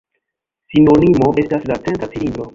Sinonimo estas la „centra cilindro“.